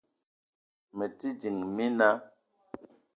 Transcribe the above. Me te ding, mina